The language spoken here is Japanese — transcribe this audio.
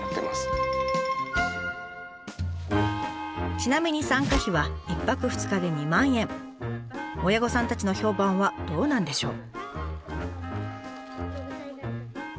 ちなみに参加費は親御さんたちの評判はどうなんでしょう？